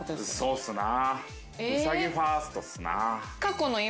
そうっすな。